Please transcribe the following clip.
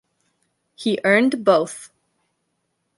He earned both.